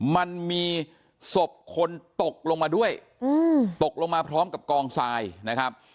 มันมีศพคนตกลงมาด้วยตกลงมาพร้อมกับกองทรายนะครับ